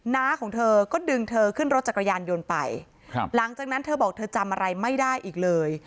น้าของเธอก็ดึงเธอขึ้นรถจักรยานยนต์ไปครับหลังจากนั้นเธอบอกเธอจำอะไรไม่ได้อีกเลย